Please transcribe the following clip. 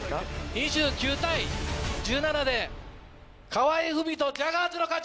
・２９対１７で河合郁人・ジャガーズの勝ち！